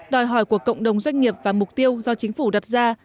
đòi hỏi của cộng đồng doanh nghiệp và mục tiêu do chính phủ đặt ra